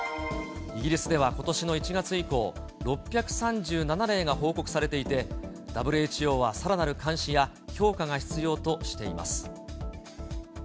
イギリスではことしの１月以降、６３７例が報告されていて、ＷＨＯはさらなる監視や、評価が必要としています。